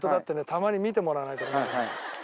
たまに見てもらわないと。